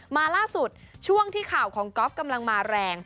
มาล่าสุดช่วงที่ข่าวของก๊อฟกำลังมาแรง